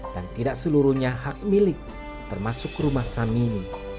dan tidak seluruhnya hak milik termasuk rumah samini